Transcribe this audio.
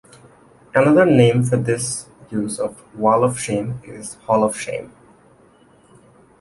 Another name for this use of "wall of shame" is "hall of shame".